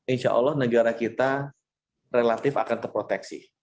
insya allah negara kita relatif akan terproteksi